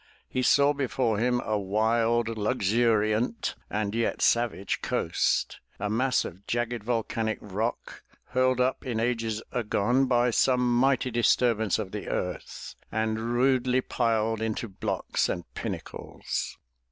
He saw before him a wild, luxuriant and yet savage coast, a mass of jagged, volcanic rock, hurled up in ages agone by some mighty disturbance of the earth and rudely piled into blocks and pinnacles.